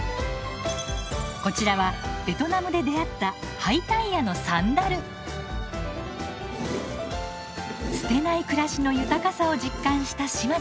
こちらはベトナムで出会った捨てない暮らしの豊かさを実感した島津さん。